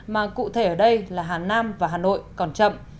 mà cụ thể ở đây là hà nam và hà nội còn chậm